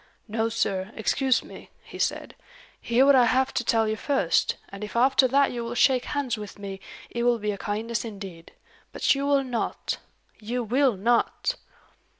"No, sir; excuse me," he said. "Hear what I have to tell you first; and if after that you will shake hands with me, it will be a kindness indeed. But you will not! you will not!"